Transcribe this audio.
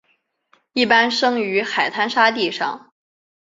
一般生于海滩沙地上。